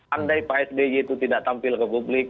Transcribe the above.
andai pak sby itu tidak tampil ke publik